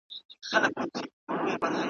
څه باندي پنځوس کاله به کیږي ,